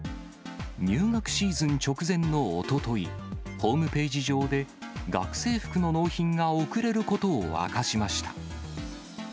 入学シーズン直前のおととい、ホームページ上で、学生服の納品が遅れることを明かしました。